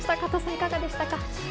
いかがでしたか？